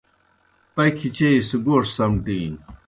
پکھیْ چیئی سہ گوݜ سمٹِینیْ۔